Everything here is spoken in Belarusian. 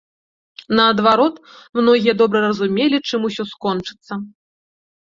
Наадварот, многія добра разумелі, чым усё скончыцца.